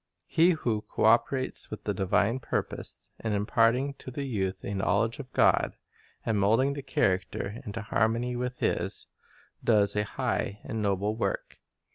He who co operates with the divine purpose in im parting to the youth a knowledge of God, and moulding The the character into harmony with His, does a high and schoT* ° rX noble work.